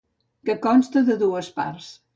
Que consta de dues parts.